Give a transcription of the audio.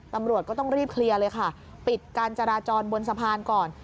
ตำรวจก็ต้องรีบเคลียร์เลยค่ะปิดการจราจรบนสะพานก่อน